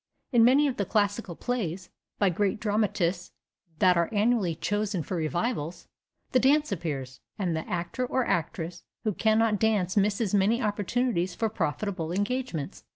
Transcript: In many of the classical plays, by great dramatists, that are annually chosen for revivals, the dance appears, and the actor or actress who cannot dance misses many opportunities for profitable engagements.